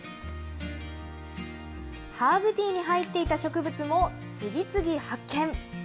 ハーブティーに入っていた植物も次々発見。